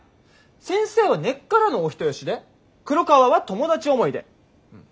先生は根っからのお人よしで黒川は友達思いで。